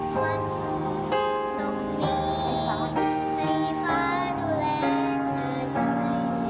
วันนี้ต้องมีให้ฟ้าดูแลเธอหน่อย